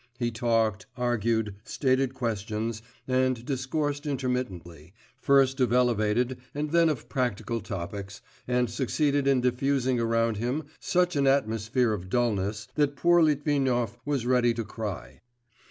He talked, argued, stated questions, and discoursed intermittently, first of elevated, and then of practical topics, and succeeded in diffusing around him such an atmosphere of dulness that poor Litvinov was ready to cry.